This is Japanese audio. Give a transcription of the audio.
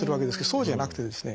そうじゃなくてですね